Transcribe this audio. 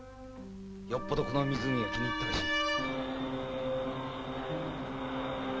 よっぽどこの湖が気に入ったらしい。